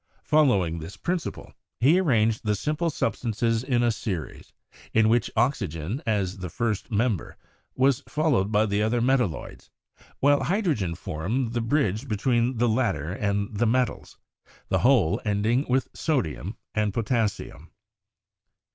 Following this principle he arranged the simple substances in a se ries, in which oxygen as the first member was followed by the other metalloids, while hydrogen formed the bridge between the latter and the metals, the whole ending with sodium and potassium.